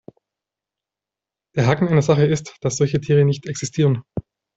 Der Haken an der Sache ist, dass solche Tiere nicht existieren.